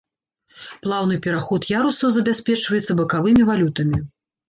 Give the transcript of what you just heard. Плаўны пераход ярусаў забяспечваецца бакавымі валютамі.